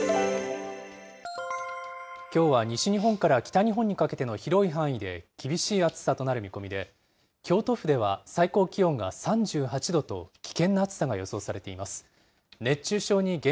きょうは西日本から北日本にかけての広い範囲で厳しい暑さとなる見込みで、京都府では最高気温が３８度と、危険な暑さが予想されています。